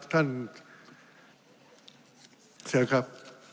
ท่านเชิญครับ